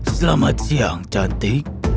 selamat siang cantik